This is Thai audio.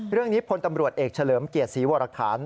เรื่องนี้พลตำรวจเอกเฉลิมเกียรติศรีวรรคาร